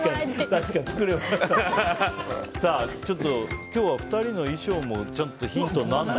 ちょっと今日は２人の衣装もヒントになってない。